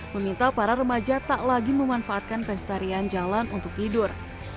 meminta para remaja tak lagi memanfaatkan pestarian jalan untuk tidur